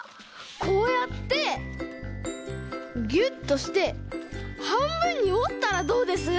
こうやってギュッとしてはんぶんにおったらどうです？